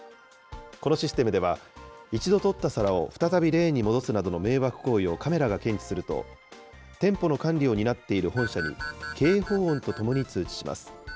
このシステムでは、１度取った皿を再びレーンに戻すなどの迷惑行為をカメラが検知すると、店舗の管理を担っている本社に警報音とともに通知します。